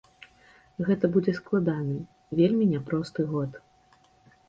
Гэта будзе складаны, вельмі няпросты год.